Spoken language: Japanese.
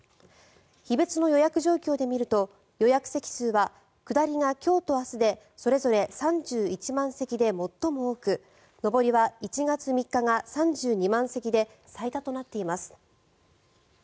日別の予約状況で見ると予約席数は下りが今日と明日でそれぞれ３１万席で最も多く上りは１月３日が３２万席で最多となっています。